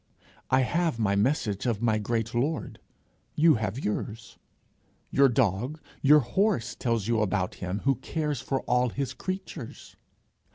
I have my message of my great Lord, you have yours. Your dog, your horse tells you about him who cares for all his creatures.